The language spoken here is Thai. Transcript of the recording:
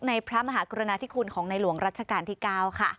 พระมหากรุณาธิคุณของในหลวงรัชกาลที่๙ค่ะ